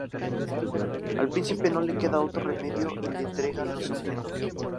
Al príncipe no le queda otro remedio y le entrega los Objetos.